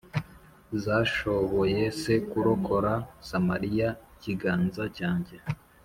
Zashoboye se kurokora Samariya ikiganza cyanjye ?